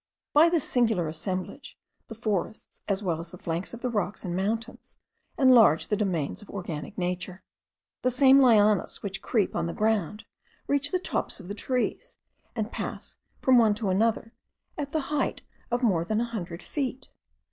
By this singular assemblage, the forests, as well as the flanks of the rocks and mountains, enlarge the domains of organic nature. The same lianas which creep on the ground, reach the tops of the trees, and pass from one to another at the height of more than a hundred feet.